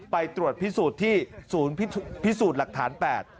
ไปตรวจพิสูจน์ที่ศูนย์พิสูจน์หลักฐาน๘